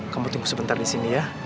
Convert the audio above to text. kamu tunggu sebentar disini ya